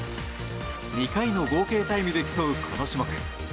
２回の合計タイムで競うこの種目。